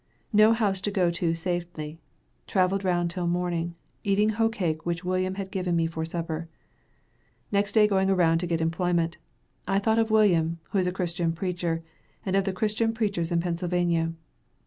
No house to go to safely, traveled round till morning, eating hoe cake which William had given me for supper; next day going around to get employment. I thought of William, who is a Christian preacher, and of the Christian preachers in Pennsylvania.